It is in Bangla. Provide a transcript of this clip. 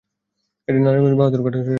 এটি নারায়ণগঞ্জ-বাহাদুরাবাদ ঘাট রেলপথের অংশ।